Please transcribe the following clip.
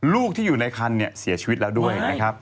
ลูกที่อยู่ในคันเสียชีวิตแล้วด้วย